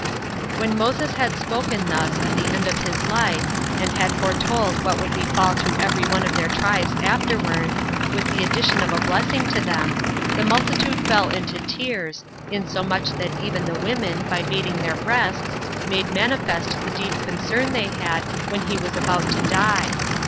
48. When Moses had spoken thus at the end of his life, and had foretold what would befall to every one of their tribes 36 afterward, with the addition of a blessing to them, the multitude fell into tears, insomuch that even the women, by beating their breasts, made manifest the deep concern they had when he was about to die.